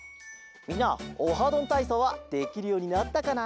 みんな「オハどんたいそう」はできるようになったかな？